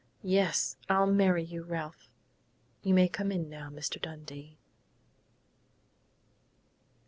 "Yes. I'll marry you, Ralph!... You may come in now, Mr. Dundee!"